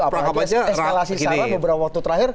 apakah eskalasi sarah beberapa waktu terakhir